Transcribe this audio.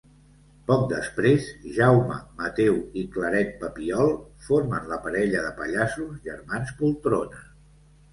Poc després, Jaume Mateu i Claret Papiol formen la parella de pallassos Germans Poltrona.